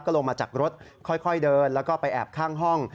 ลงมาจากรถค่อยเดินแล้วก็ไปแอบข้างห้อง